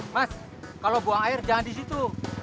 mas kalau buang air jangan di situ